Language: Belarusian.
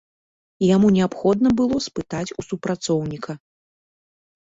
Яму неабходна было спытаць у супрацоўніка.